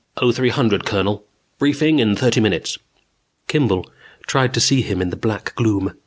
"Oh, three hundred, Colonel.... Briefing in thirty minutes." Kimball tried to see him in the black gloom.